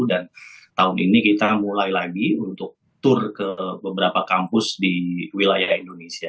dan tahun ini kita mulai lagi untuk tur ke beberapa kampus di wilayah indonesia